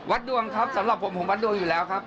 ดวงครับสำหรับผมผมวัดดวงอยู่แล้วครับ